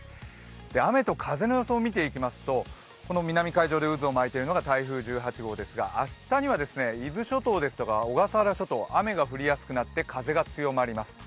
雨と風の予想を見ていきますとこの南海上で渦を巻いているのが台風１８号ですが、明日には伊豆諸島ですとか小笠原諸島、雨が降りやすくなって、風が強まります。